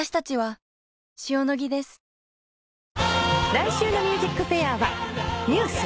来週の『ＭＵＳＩＣＦＡＩＲ』はＮＥＷＳ